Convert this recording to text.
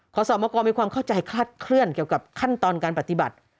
ขอสอบมากรมีความเข้าใจคลาดเคลื่อนเกี่ยวกับขั้นตอนการปฏิบัติ